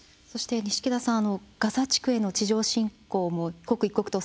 錦田さんガザ地区への地上侵攻も刻一刻と迫る中